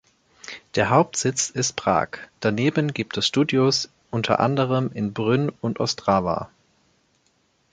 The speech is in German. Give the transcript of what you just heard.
Der Hauptsitz ist Prag, daneben gibt es Studios unter anderem in Brünn und Ostrava.